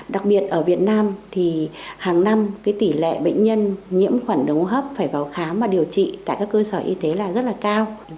đặc biệt ở việt nam hàng năm tỷ lệ bệnh nhân nhiễm khuẩn hô hấp phải vào khám và điều trị tại các cơ sở y tế rất cao